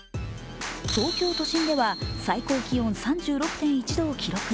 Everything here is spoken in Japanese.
東京都心では最高気温３６．１度を記録。